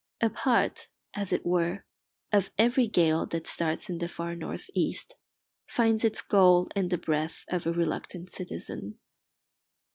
A part, as it were, of every gale that starts in the far north east finds its goal in the breath of a reluctant citizen.